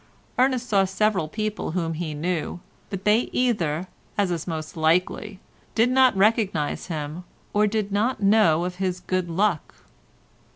Ernest saw several people whom he knew, but they either, as is most likely, did not recognise him, or did not know of his good luck.